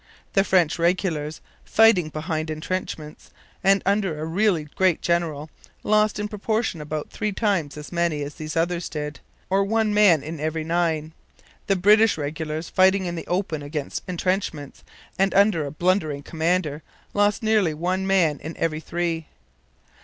The French regulars, fighting behind entrenchments and under a really great general; lost in proportion about three times as many as these others did, or one man in every nine. The British regulars, fighting in the open against entrenchments and under a blundering commander, lost nearly one man in every three.